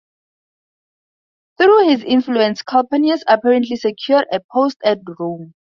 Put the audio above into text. Through his influence Calpurnius apparently secured a post at Rome.